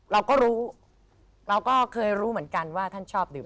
เราก็รู้เราก็เคยรู้เหมือนกันว่าท่านชอบดื่ม